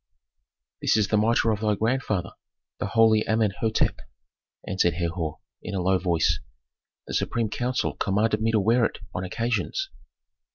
"This is the mitre of thy grandfather, the holy Amenhôtep," answered Herhor, in a low voice. "The supreme council commanded me to wear it on occasions."